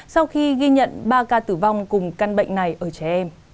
sau khi ghi nhận ba ca tử vong cùng căn bệnh này ở trẻ em